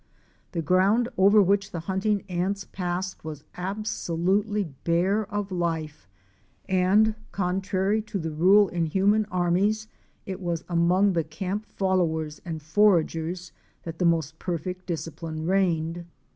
The ground over which the hunting ants passed was absolutely bare of life, and, contrary to the rule in human armies, it was among the camp followers and foragers that the most perfect discipline reigned.